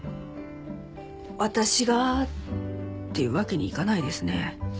私がっていうわけにはいかないですね。